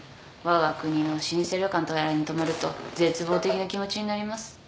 わが国の老舗旅館とやらに泊まると絶望的な気持ちになります。